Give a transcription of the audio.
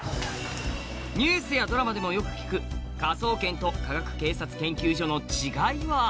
ニュースやドラマでもよく聞く科捜研と科学警察研究所の違いは？